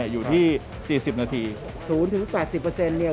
๐๘๐อยู่ที่๔๐นาที